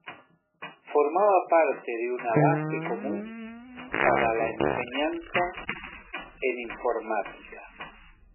Formaba parte de una base común para la enseñanza en informática.